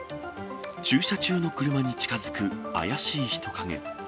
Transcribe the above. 駐車中の車に近づく怪しい人影。